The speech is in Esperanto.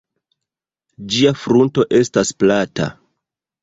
Ĝia frunto estas plata.